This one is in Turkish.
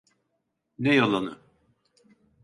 Ne yalanı?